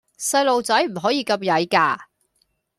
細孥仔唔可以咁曳架